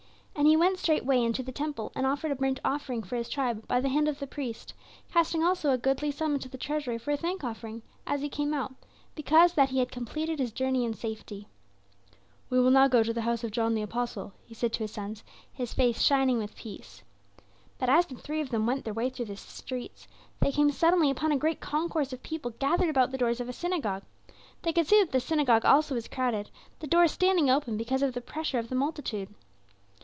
And he went straightway into the temple and offered a burnt offering for his tribe by the hand of the priest, casting also a goodly sum into the treasury for a thank offering, as he came out, because that he had completed his journey in safety. "We will go now to the house of John the Apostle," he said to his sons, his face shining with peace. But as the three of them went their way through the streets, they came suddenly upon a great concourse of people gathered about the doors of a synagogue. They could see that the synagogue also was crowded, the doors standing open because of the pressure of the multitude.